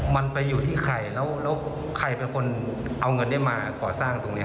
มันไปอยู่ที่ใครแล้วใครเป็นคนเอาเงินได้มาก่อสร้างตรงนี้